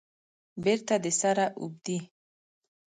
بیرته د سره اوبدي